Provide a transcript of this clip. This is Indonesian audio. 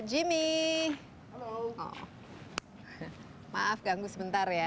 jimmy halo maaf ganggu sebentar ya